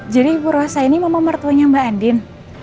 jadi bu rosa ini mama mertuanya mbak andien